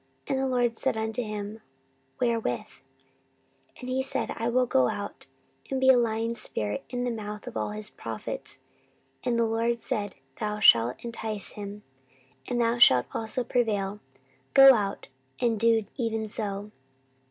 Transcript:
And the LORD said unto him, Wherewith? 14:018:021 And he said, I will go out, and be a lying spirit in the mouth of all his prophets. And the Lord said, Thou shalt entice him, and thou shalt also prevail: go out, and do even so.